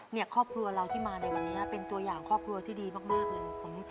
เนี่ยครอบครัวเราที่มาในวันนี้เป็นตัวอย่างครอบครัวที่ดีมากเลย